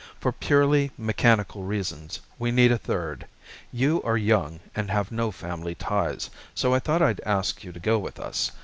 "For purely mechanical reasons we need a third. You are young and have no family ties, so I thought I'd ask you to go with us.